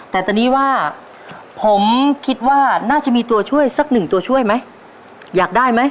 แต่ตอนนี้ว่าผมคิดว่าน่าจะมีตัวช่วยสักหนึ่งตัวช่วยไหมอยากได้ไหม